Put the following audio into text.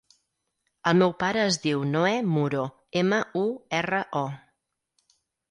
El meu pare es diu Noè Muro: ema, u, erra, o.